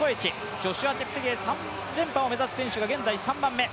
ジョシュア・チェプテゲイ、３連覇を目指す選手が現在３番目。